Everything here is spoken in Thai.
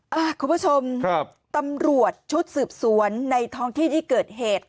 คุณผู้ชมครับตำรวจชุดสืบสวนในท้องที่ที่เกิดเหตุ